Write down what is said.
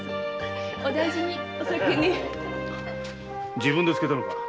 自分で漬けたのか。